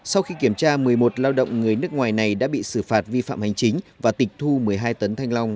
sau khi kiểm tra một mươi một lao động người nước ngoài này đã bị xử phạt vi phạm hành chính và tịch thu một mươi hai tấn thanh long